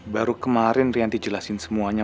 baru kemarin rianti jelasin semuanya